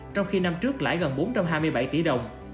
trong khi năm trước lãi gần bốn trăm hai mươi bảy tỷ đồng